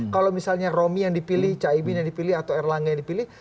kalau misalnya romi yang dipilih caimin yang dipilih atau erlangga yang dipilih